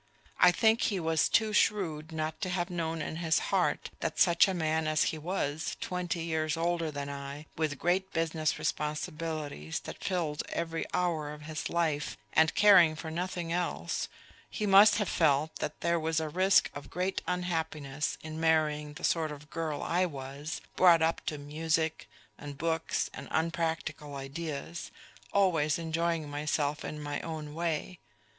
I think he was too shrewd not to have known in his heart that such a man as he was, twenty years older than I, with great business responsibilities that filled every hour of his life, and caring for nothing else he must have felt that there was a risk of great unhappiness in marrying the sort of girl I was, brought up to music and books and unpractical ideas, always enjoying myself in my own way.